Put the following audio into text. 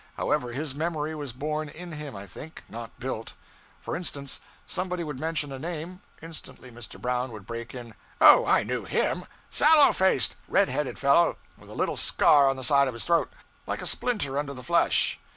However, his memory was born in him, I think, not built. For instance, somebody would mention a name. Instantly Mr. Brown would break in 'Oh, I knew him. Sallow faced, red headed fellow, with a little scar on the side of his throat, like a splinter under the flesh.